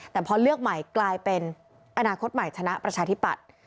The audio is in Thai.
แต่พอเลือกใหม่กลายเป็นอนาคตใหม่ชนะประชาธิปัตย์